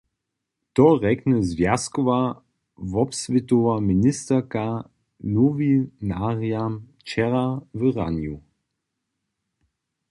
To rjekny zwjazkowa wobswětowa ministerka nowinarjam wčera w Ranju.